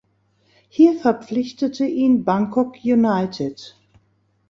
Hier verpflichtete ihn Bangkok United.